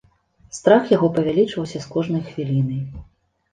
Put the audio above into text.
Страх яго павялічваўся з кожнай хвілінай.